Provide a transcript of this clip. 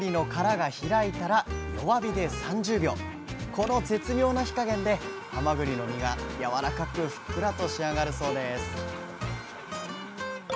この絶妙な火加減ではまぐりの身がやわらかくふっくらと仕上がるそうです。